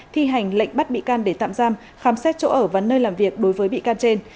thi hành lệnh bắt bị can để tạm giam khám xét chỗ ở và nơi làm việc đối với bị can trên